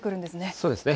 そうですね。